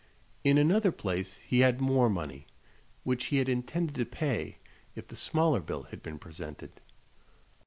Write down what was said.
In another place he had more money, which he had intended to pay if the smaller bill had been presented.